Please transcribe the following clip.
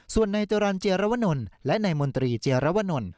ส่วนนายจรรย์เจียรวนลและนายมนตรีเจียรวนล